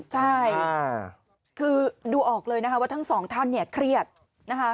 ใช่คือดูออกเลยนะคะว่าทั้งสองท่านเนี่ยเครียดนะคะ